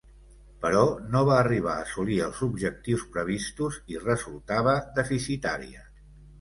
Però no va arribar a assolir els objectius previstos i resultava deficitària.